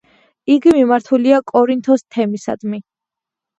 იგი მიმართულია კორინთოს თემისადმი.